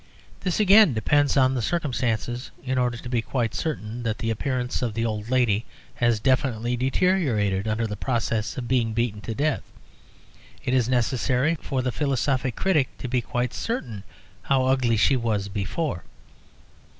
This again depends on the circumstances: in order to be quite certain that the appearance of the old lady has definitely deteriorated under the process of being beaten to death, it is necessary for the philosophical critic to be quite certain how ugly she was before.